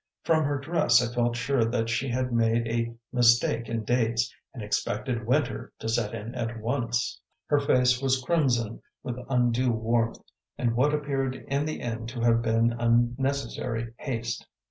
From her dress I felt sure that she had made a mistake in dates, and expected winter to set in at once. Her face was crimson with undue warmth, and what appeared in the end to have been unnecessary haste.